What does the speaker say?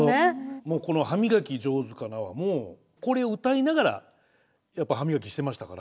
もうこの「はみがきじょうずかな」はもうこれ歌いながらやっぱ歯磨きしてましたから。